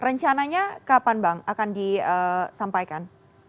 rencananya kapan bang akan disampaikan